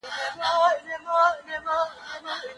په ټولنيزو علومو کي زياتې ستونزې شتون لري.